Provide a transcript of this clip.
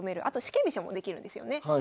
あと四間飛車もできるんですよね。